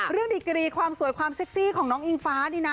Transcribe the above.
ดีกรีความสวยความเซ็กซี่ของน้องอิงฟ้านี่นะ